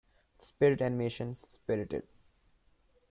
Spirit animation Spirited.